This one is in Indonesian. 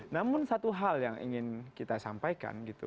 namun satu hal yang ingin kita sampaikan gitu